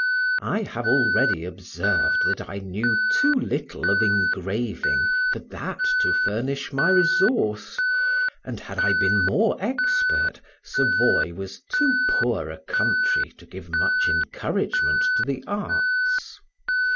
I have already observed that I knew too little of engraving for that to furnish my resource, and had I been more expert, Savoy was too poor a country to give much encouragement to the arts.